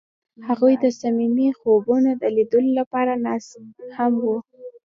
هغوی د صمیمي خوبونو د لیدلو لپاره ناست هم وو.